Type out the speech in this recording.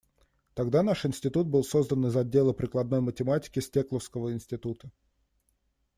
Тогда наш институт был создан из отдела прикладной математики Стекловского института.